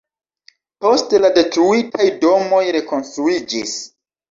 Poste la detruitaj domoj rekonstruiĝis.